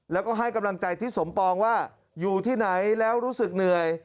แล้วก็ให้กำลังใจทิศสมปองว่าอยู่ที่ไหนแล้วรู้สึกเหนื่อย